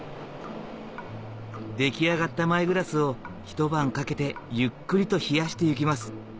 出来上がったマイグラスを一晩かけてゆっくりと冷やしていきます